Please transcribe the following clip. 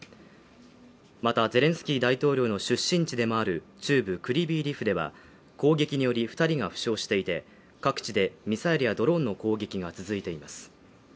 またゼレンスキー大統領の出身地でもある中部クリヴィー・リフでは、攻撃により２人が負傷していて、各地でミサイルやドローンの攻撃が続いています。